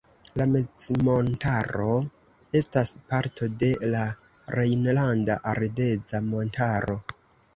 La mezmontaro estas parto de la Rejnlanda Ardeza montaro.